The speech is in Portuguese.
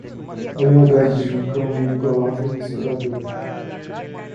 A lealdade de um cão é inigualável e inspiradora.